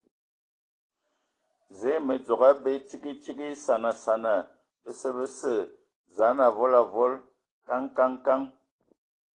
Zǝə, mǝ dzogo abe, tsigi tsigi, saŋa saŋa ! Bəsə, bəsə, zaan avol avol !... Kǝŋ Kǝŋ Kǝŋ Kǝŋ!